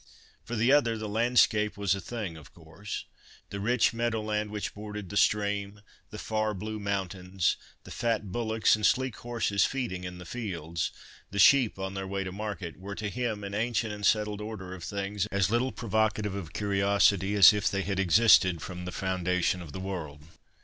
For the other, the landscape was a thing of course. The rich meadow land which bordered the stream—the far blue mountains—the fat bullocks and sleek horses feeding in the fields—the sheep on their way to market, were to him an ancient and settled order of things, as little provocative of curiosity as if they had existed from the foundation of the world.